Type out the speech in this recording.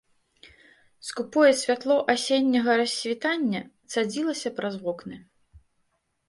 Скупое святло асенняга рассвітання цадзілася праз вокны.